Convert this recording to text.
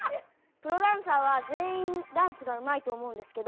プロダンサーは全員ダンスがうまいと思うんですけど。